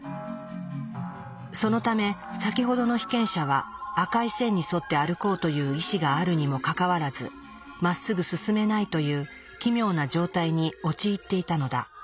そのため先ほどの被験者は赤い線に沿って歩こうという意志があるにもかかわらずまっすぐ進めないという奇妙な状態に陥っていたのだ。